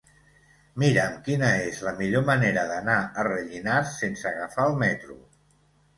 Mira'm quina és la millor manera d'anar a Rellinars sense agafar el metro.